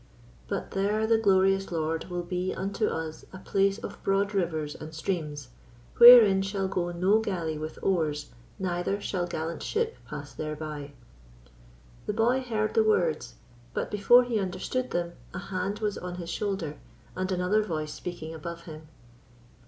"But there the glorious Lord will be unto us a place of broad rivers and streams; wherein shall go no galley with oars, neither shall gallant ship pass thereby." The boy heard the words; but before he understood them a hand was on his shoulder, and another voice speaking above him.